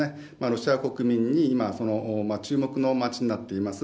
ロシア国民に今、注目の町になっています